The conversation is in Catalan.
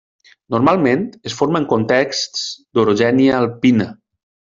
Normalment es forma en contexts d'orogènia alpina.